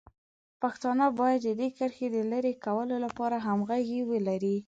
پښتانه باید د دې کرښې د لرې کولو لپاره همغږي ولري.